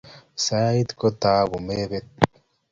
sait ko thahabu mepet